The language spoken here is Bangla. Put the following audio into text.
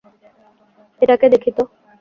এটাকে দেখি তো।